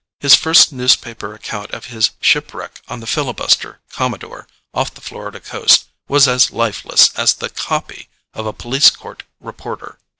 His first newspaper account of his shipwreck on the filibuster "Commodore" off the Florida coast was as lifeless as the "copy" of a police court reporter.